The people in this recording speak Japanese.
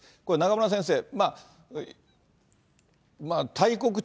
これ、中村先生、まあ大国、